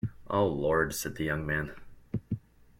"O Lord," said the young man.